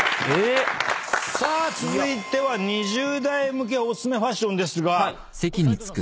さあ続いては２０代向けお薦めファッションですが斎藤さん